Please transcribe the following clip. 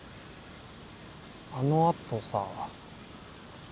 あの後さ。